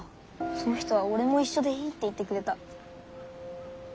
その人は俺も一緒でいいって言ってくれた。